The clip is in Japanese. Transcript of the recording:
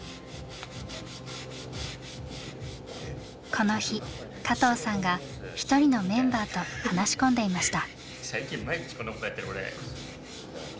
この日加藤さんが一人のメンバーと話し込んでいました。